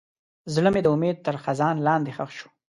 زړه مې د امید تر خزان لاندې ښخ شو.